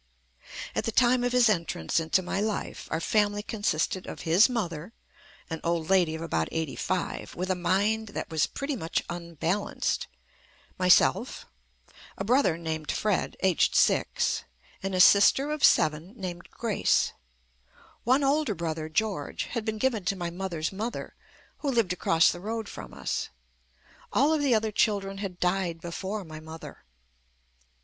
At the time of his entrance into my life, our family consisted of his mother, an old lady of about eighty five with a mind that was pretty much unbalanced, myself, a brother named Fred, aged six, and a sister of seven named JUST ME Grace. One older brother, George, had been given to my mother's mother who lived across the road from us. All of the other children had died before my mother.